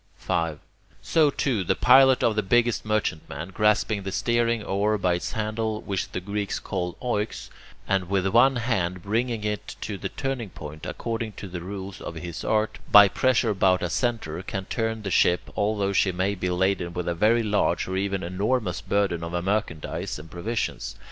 5. So, too, the pilot of the biggest merchantman, grasping the steering oar by its handle, which the Greeks call [Greek: oiax], and with one hand bringing it to the turning point, according to the rules of his art, by pressure about a centre, can turn the ship, although she may be laden with a very large or even enormous burden of merchandise and provisions.